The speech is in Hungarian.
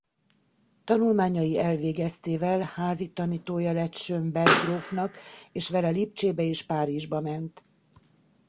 Tanulmányai elvégeztével házi tanítója lett Schönberg grófnak és vele Lipcsébe és Párizsba ment.